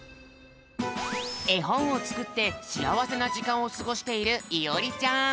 えほんをつくってしあわせなじかんをすごしているいおりちゃん。